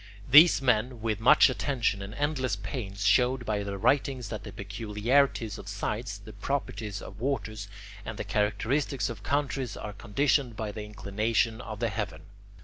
These men with much attention and endless pains showed by their writings that the peculiarities of sites, the properties of waters, and the characteristics of countries are conditioned by the inclination of the heaven.